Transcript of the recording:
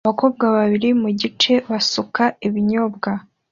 Abakobwa babiri mugice basuka ibinyobwa